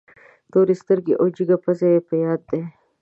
تورې سترګې او جګه پزه یې په یاد دي.